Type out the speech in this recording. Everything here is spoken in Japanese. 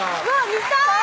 見たい！